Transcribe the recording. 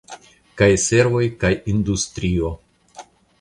Kaj servoj kaj industrio.